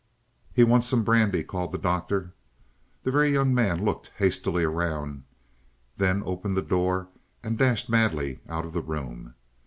"He wants some brandy," called the Doctor. The Very Young Man looked hastily around, then opened the door and dashed madly out of the room.